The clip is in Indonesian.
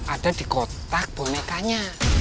ada di kotak bonekanya